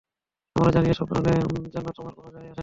আমরা জানি এসব কারণের জন্য তোমার কোনো জায় আসেনা।